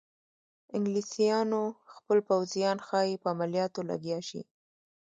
انګلیسیانو خپل پوځیان ښایي په عملیاتو لګیا شي.